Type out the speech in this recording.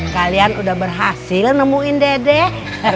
kalian udah berhasil nemuin dedek